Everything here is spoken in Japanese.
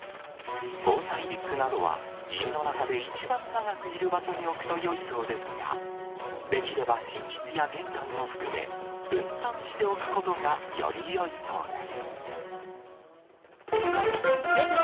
防災リュックなどは、家の中で一番長くいる場所に置くとよいそうですが、できれば寝室や玄関を含め、分散して置くことがよりよいそうです。